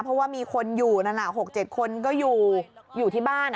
เพราะว่ามีคนอยู่นั่น๖๗คนก็อยู่ที่บ้าน